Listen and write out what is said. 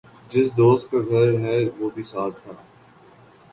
جس دوست کا گھر ہےوہ بھی ساتھ تھا ۔